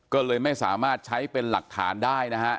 ก็เลยไม่สามารถใช้เป็นหลักฐานได้นะฮะ